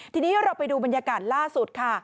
ทีนี้เราไปดูบรรยากาศล่าสุดค่ะ